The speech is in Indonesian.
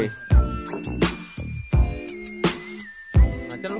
hacer lu pagi agak agak